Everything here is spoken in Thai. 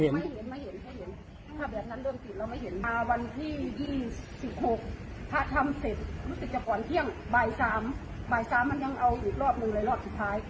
บ่าย๓มันยังเอาอีกรอบนึงเลยรอบสุดท้าย